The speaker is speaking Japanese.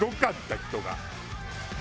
人が。